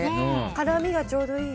辛みがちょうどいい。